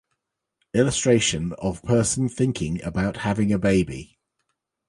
illustration of person thinking about having a baby